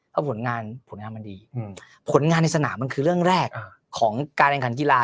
เพราะผลงานผลงานมันดีผลงานในสนามมันคือเรื่องแรกของการแข่งขันกีฬา